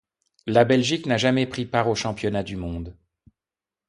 La Belgique n'a jamais pris part aux championnats du monde.